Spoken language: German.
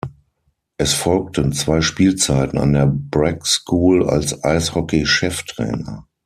Es folgten zwei Spielzeiten an der Breck School als Eishockey-Cheftrainer.